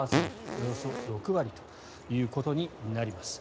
およそ６割ということになります。